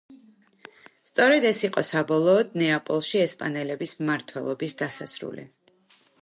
სწორედ ეს იყო საბოლოოდ ნეაპოლში ესპანელების მმართველობის დასასრული.